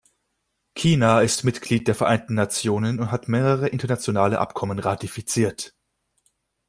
China ist Mitglied der Vereinten Nationen und hat mehrere internationale Abkommen ratifiziert.